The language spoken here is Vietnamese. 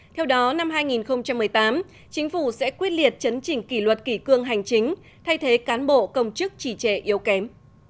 theo đó năm hai nghìn một mươi tám chính phủ sẽ quyết liệt chấn chỉnh kỷ luật kỷ cương hành chính thay thế cán bộ công chức chỉ trệ yếu kém